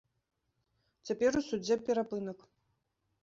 Цяпер у судзе перапынак.